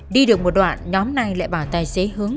đi được một đoạn nhóm này lại bảo tài xế hướng